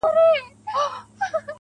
چي ته حال راكړې گرانه زه درځمه~